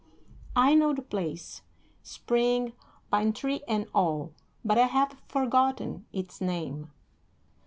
I know the place, spring, pine tree and all, but I have forgotten its name.